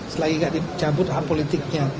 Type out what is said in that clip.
selagi nggak dicabut hak politiknya